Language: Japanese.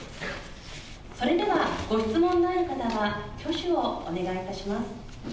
それでは、ご質問のある方は挙手をお願いいたします。